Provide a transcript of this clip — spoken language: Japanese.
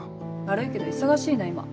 悪いけど忙しいの今。